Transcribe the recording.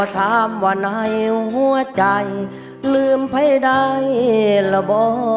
ขอบคุณนะครับ